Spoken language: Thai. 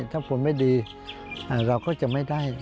ถ้าผลไม่ดีเราก็จะไม่ได้